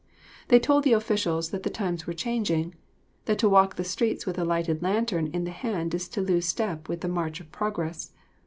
They told the officials that the times were changing, that to walk the streets with a lighted lantern in the hand is to lose step with the march of progress.